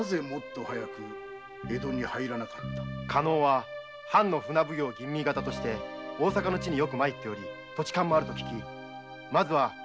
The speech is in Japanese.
加納は藩の船奉行吟味方として大阪の地によく参っており土地勘もあると聞きまずは上方方面をと。